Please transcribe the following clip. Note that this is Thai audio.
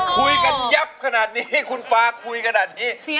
คุยกันยับขนาดนี้คุณฟ้าคุยขนาดนี้